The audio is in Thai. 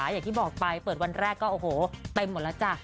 อย่างที่บอกไปเปิดวันแรกก็ไปหมดแล้วจ้ะ